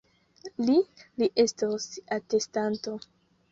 Li, li estos atestanto!